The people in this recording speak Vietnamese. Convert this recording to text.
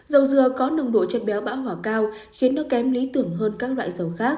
dầu dừa có nồng độ chất béo bão hỏa cao khiến nó kém lý tưởng hơn các loại dầu khác